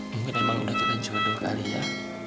mungkin emang udah kita jodoh kali ya